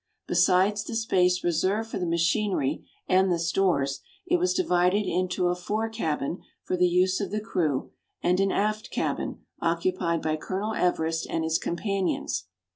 Besides the space reserved for the machinery and the stores, it was divided into a fore cabin for the use of the crew, and an aft cabin, occupied by Colonel Everest and his companions.